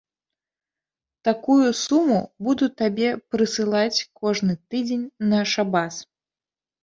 Такую суму буду табе прысылаць кожны тыдзень на шабас.